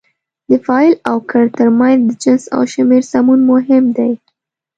د فاعل او کړ ترمنځ د جنس او شمېر سمون مهم دی.